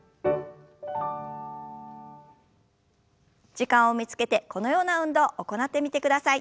時間を見つけてこのような運動を行ってみてください。